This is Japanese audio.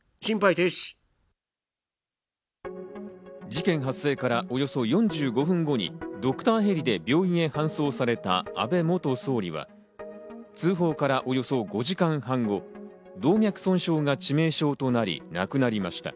事件発生からおよそ４５分後にドクターヘリで病院へ搬送された安倍元総理は、通報からおよそ５時間半後、動脈損傷が致命傷となり亡くなりました。